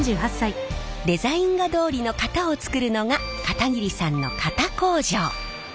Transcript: デザイン画どおりの型を作るのが片桐さんの型工場。